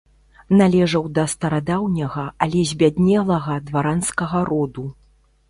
Належаў да старадаўняга, але збяднелага дваранскага роду.